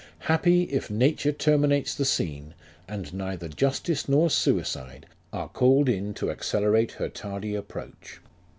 Happy, if nature terminates the scene, and neither justice nor suicide are called in to accelerate her tardy approach.